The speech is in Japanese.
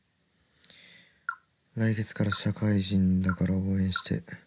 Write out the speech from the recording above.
「来月から社会人だから応援して」